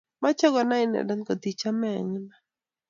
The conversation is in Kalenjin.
Mochei konai inendet ngot ii chame eng iman.